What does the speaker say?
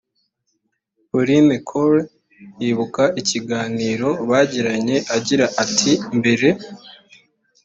pauline cole yibuka ikiganiro bagiranye agira ati mbere